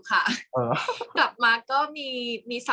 กากตัวทำอะไรบ้างอยู่ตรงนี้คนเดียว